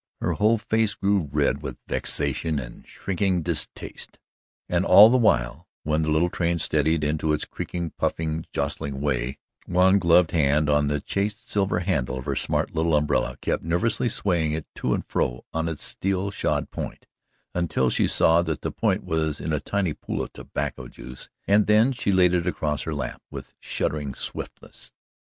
Her whole face grew red with vexation and shrinking distaste, and all the while, when the little train steadied into its creaking, puffing, jostling way, one gloved hand on the chased silver handle of her smart little umbrella kept nervously swaying it to and fro on its steel shod point, until she saw that the point was in a tiny pool of tobacco juice, and then she laid it across her lap with shuddering swiftness.